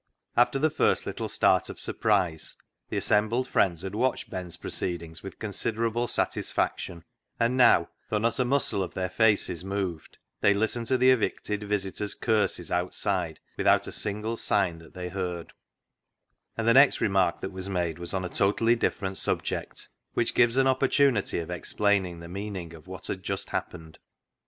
After the first little start of surprise, the assembled friends had watched Ben's proceed ings with considerable satisfaction, and now — though not a muscle of their faces moved — they listened to the evicted visitor's curses out side without a single sign that they heard ; and the next remark that was made was on a totally different subject, which gives an oppor tunity of explaining the meaning of what had just happened.